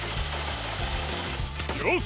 よし！